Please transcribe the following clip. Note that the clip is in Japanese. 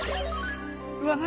うわっ何